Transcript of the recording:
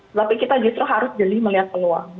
tapi kita justru harus jadi melihat peluang